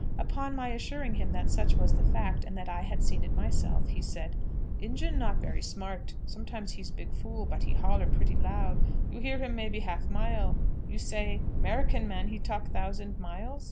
Upon my assuring him that such was the fact, and that I had seen it myself, he said, "Injun not very smart; sometimes he's big fool, but he holler pretty loud; you hear him maybe half a mile; you say 'Merican man he talk thousand miles.